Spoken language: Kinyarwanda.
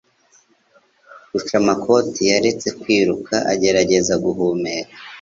Rucamakoti yaretse kwiruka agerageza guhumeka